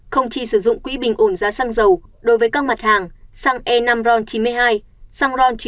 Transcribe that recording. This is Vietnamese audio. không trích sử dụng quỹ bình ổn giá xăng dầu đối với các mặt hàng xăng e năm ron chín mươi hai xăng ron chín mươi năm